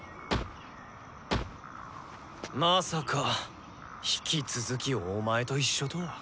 まさか引き続きお前と一緒とは。